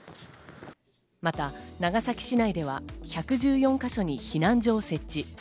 また、長崎市内では１１４か所に避難所を設置。